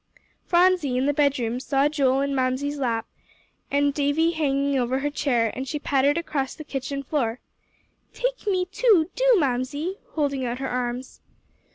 Phronsie, in the bedroom, saw Joel in Mamsie's lap, and Davie hanging over her chair, and she pattered across the kitchen floor. "Take me, too, do Mamsie," holding out her arms.